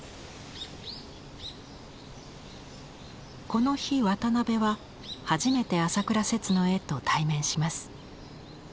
この日渡辺は初めて朝倉摂の絵と対面します。